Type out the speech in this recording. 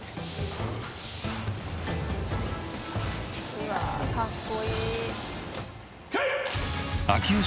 うわかっこいい。